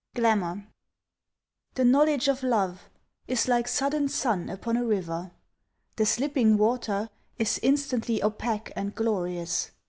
Glamour THE knowledge of love Is like sudden sun upon a river The slipping water Is instantly opaque and glorious.